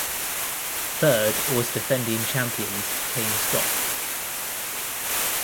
Third was defending champions Kayne Scott.